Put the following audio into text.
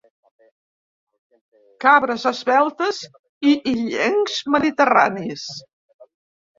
Cabres esveltes i illencs mediterranis.